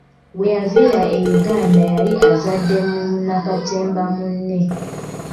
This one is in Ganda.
Weyaviira e Uganda yali azadde mu munnakatemba munne.